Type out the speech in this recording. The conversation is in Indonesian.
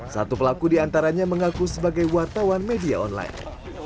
satu pelaku di antaranya mengaku sebagai wartawan media online